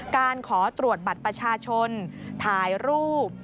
การขอตรวจบัตรประชาชนถ่ายรูป